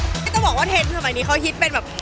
ที่ต้องบอกว่าเทรนด์สมัยนี้เขาฮิตเป็นแบบ